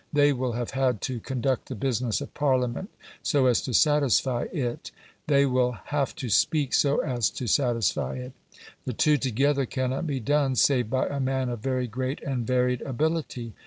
They will have had to conduct the business of Parliament so as to satisfy it; they will have to speak so as to satisfy it. The two together cannot be done save by a man of very great and varied ability.